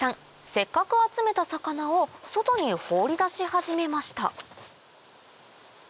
せっかく集めた魚を外に放り出し始めました